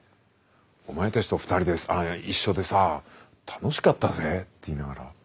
お前たちと２人と一緒でさ楽しかったぜ」って言いながら。